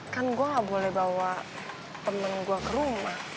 kan gue gak boleh bawa temen gue ke rumah